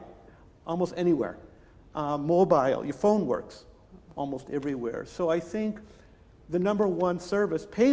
hampir di mana mana mobile handphone anda berfungsi hampir di mana mana jadi saya pikir pembayaran servis nomor satu